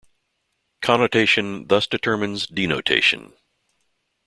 Connotation thus determines denotation.